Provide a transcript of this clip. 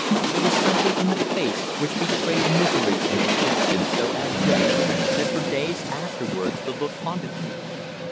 There was something in the face which betrayed misery and dejection so abject that for days afterwards the look haunted me.